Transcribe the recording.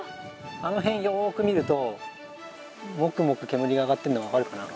あのへんよく見るともくもくけむりが上がってんのわかるかな？